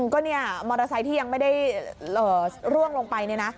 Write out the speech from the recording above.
ก็เนี่ยมอเตอร์ไซค์ที่ยังไม่ได้ร่วงลงไปเนี่ยนะ